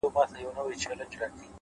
هره لحظه د پرمختګ نوی امکان لري